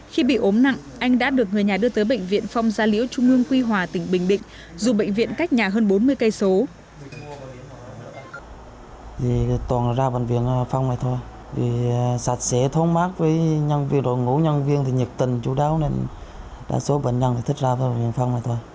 khi bị ốm nặng anh đã được người nhà đưa tới bệnh viện phong gia liễu trung ương quy hòa tỉnh bình định dù bệnh viện cách nhà hơn bốn mươi km